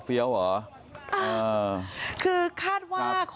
คนที่โพสต์คลิปดูก็ไม่ได้